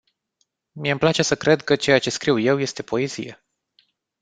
Mie îmi place să cred că ceea ce scriu eu este poezie.